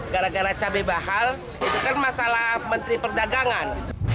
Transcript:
gara gara cabai mahal itu kan masalah menteri perdagangan